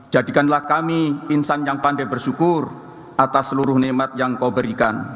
jadikanlah kami insan yang pandai bersyukur